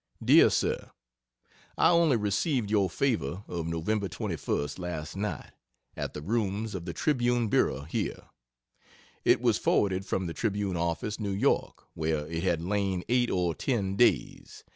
DEAR SIR, I only received your favor of Nov. 21st last night, at the rooms of the Tribune Bureau here. It was forwarded from the Tribune office, New York, where it had lain eight or ten days.